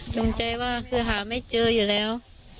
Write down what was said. สิ่งที่เคยเป็นก็น่าจะจิบปวดมาก